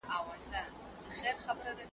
جارج واټسن په دې اړه خبري وکړي.